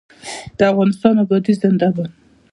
د افغانستان ابادي زنده باد.